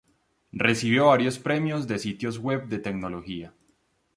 Recibió varios premios de sitios web de tecnología.